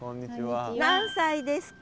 何歳ですか？